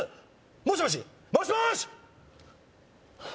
もしもしもしもし！